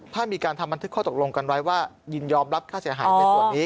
ถ้ามีการทำบันทึกข้อตกลงกันไว้ว่ายินยอมรับค่าเสียหายในส่วนนี้